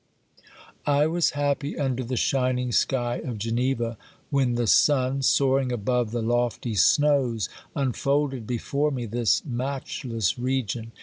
I was OBERMANN 9 happy under the shining sky of Geneva, when the sun, soaring above the lofty snows, unfolded before me this matchless region.